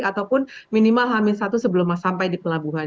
ataupun minimal hamil satu sebelum sampai di pelabuhan